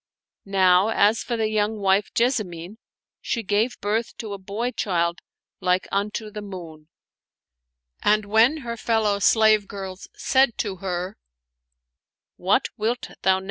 Now as for the young wife Jessamine, she gave birth to a boy child like unto the moon ; and when her fellow slave girls said to her, " What wilt thou name him